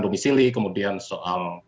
domisili kemudian soal